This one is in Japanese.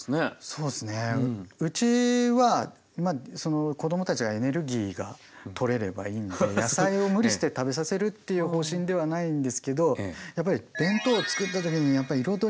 うちは子どもたちがエネルギーがとれればいいんで野菜を無理して食べさせるっていう方針ではないんですけどやっぱり弁当を作った時に彩りがないと。